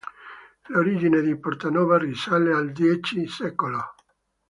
L'origine di Portanova risale al X secolo.